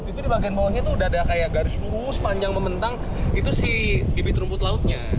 itu di bagian bawahnya itu udah ada kayak garis lurus panjang mementang itu si bibit rumput lautnya